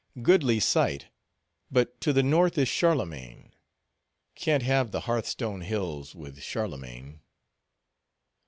Goodly sight; but, to the north is Charlemagne—can't have the Hearth Stone Hills with Charlemagne.